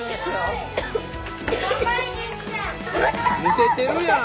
むせてるやん！